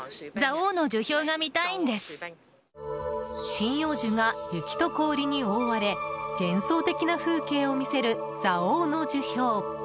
針葉樹が雪と氷に覆われ幻想的な風景を見せる蔵王の樹氷。